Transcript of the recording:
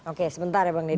oke sebentar ya bang deddy